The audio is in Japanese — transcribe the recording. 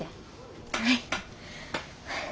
はい。